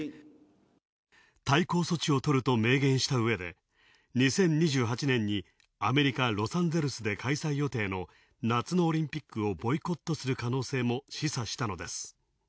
対抗措置をとると明言した上で、２０２８年にアメリカ、ロサンゼルスで開催予定の夏のオリンピックをボイコットすると示唆したのです。